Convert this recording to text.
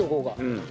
うん。